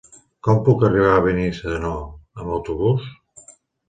Com puc arribar a Benissanó amb autobús?